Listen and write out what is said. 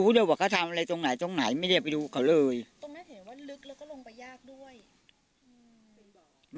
เลยบอกเขาทำอะไรตรงไหนตรงไหนไม่ได้ไปดูเขาเลยตรงนั้นเห็นว่าลึกแล้วก็ลงไปยากด้วย